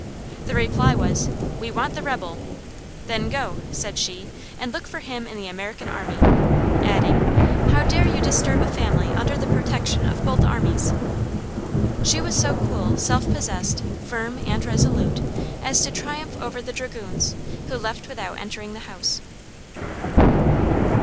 The reply was, "We want the rebel." "Then go," said she, "and look for him in the American army;" adding, "how dare you disturb a family under the protection of both armies?" She was so cool, self possessed, firm, and resolute, as to triumph over the dragoons, who left without entering the house.